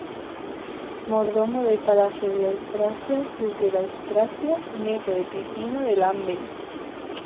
Mordomo de palacio de Austrasia, duque de Austrasia, neto de Pipino de Landen.